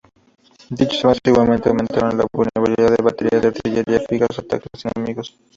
Dichos avances igualmente aumentaron la vulnerabilidad de baterías de artillería fijas a ataques enemigos.